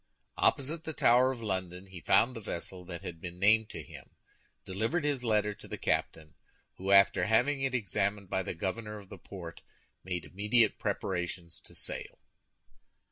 Opposite the Tower of London he found the vessel that had been named to him, delivered his letter to the captain, who after having it examined by the governor of the port made immediate preparations to sail.